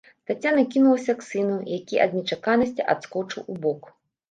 Таццяна кінулася к сыну, які ад нечаканасці адскочыў убок.